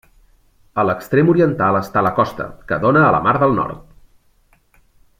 A l'extrem oriental està la costa, que dóna a la mar del Nord.